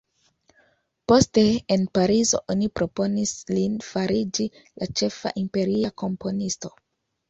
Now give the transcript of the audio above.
Poste, en Parizo oni proponis lin fariĝi la ĉefa imperia komponisto.